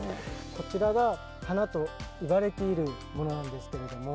こちらが花といわれているものなんですけれども。